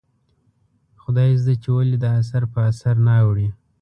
خدایزده چې ولې دا اثر په اثر نه اوړي ؟